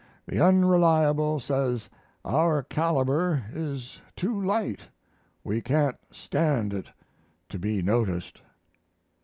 The Unreliable says our caliber is too light we can't stand it to be noticed.